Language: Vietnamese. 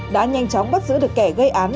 đã nhanh chóng bắt giữ được kẻ gây án